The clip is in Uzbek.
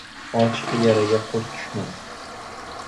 • Ochiq yaraga qurt tushmas.